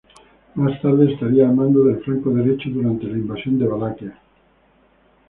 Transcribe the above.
Más tarde estaría al mando del flanco derecho durante la invasión de Valaquia.